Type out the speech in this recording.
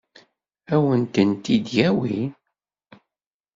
Ad wen-tent-id-yawi?